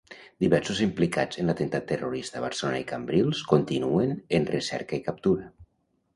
Diversos implicats en l'atemptat terrorista a Barcelona i Cambrils continuen en recerca i captura.